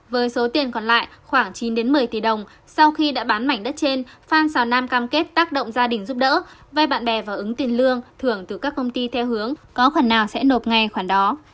với số tiền còn lại khoảng chín một mươi tỷ đồng sau khi đã bán mảnh đất trên phan xào nam cam kết tác động gia đình giúp đỡ vay bạn bè và ứng tiền lương thưởng từ các công ty theo hướng có khả năng sẽ nộp ngay khoản đó